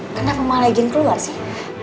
kenapa malah izin keluar sih